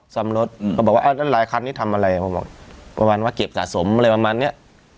ซ่อมรถเขาบอกว่ารายคำนี้ทำอะไรบอกว่าเก็บสะสมอะไรประมาณนี้